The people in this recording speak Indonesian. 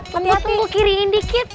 tunggu tunggu kiriin dikit